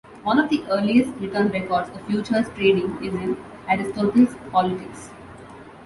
One of the earliest written records of futures trading is in Aristotle's "Politics".